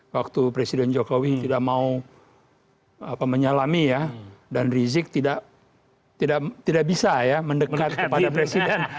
waktu presiden jokowi tidak mau menyalami ya dan rizik tidak bisa ya mendekat kepada presiden